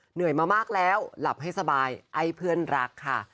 เหนื่อยมามากแล้วหลับให้สบายไอ้เพื่อนรักค่ะ